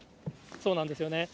そうなんですよね。